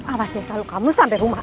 awas ya kalau kamu sampai rumah